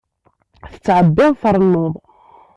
Tettɛebbiḍ trennuḍ.